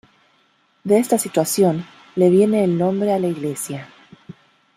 De esta situación le viene el nombre a la iglesia.